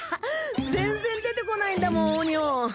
全然出てこないんだもんオニオン。